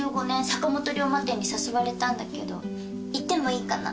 坂本龍馬展に誘われたんだけど行ってもいいかな？